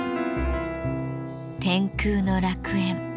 天空の楽園。